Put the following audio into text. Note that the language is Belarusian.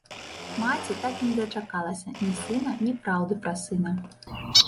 Маці так і не дачакалася ні сына, ні праўды пра сына.